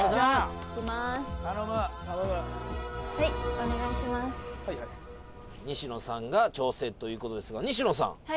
・はいはい西野さんが挑戦ということですが西野さん